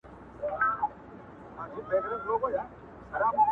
د فرانسې د کلتور پر وړاندي